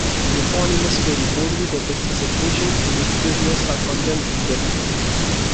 The eponymous story coldly depicts a situation in which prisoners are condemned to death.